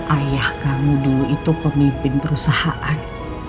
ayah kamu dulu itu pemimpin perusahaan